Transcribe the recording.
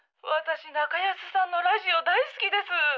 「私ナカヤスさんのラジオ大好きです」。